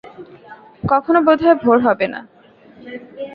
কখনো বোধ হয় ভোর হবে না।